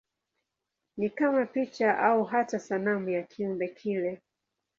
Ni kama picha au hata sanamu ya kiumbe kile.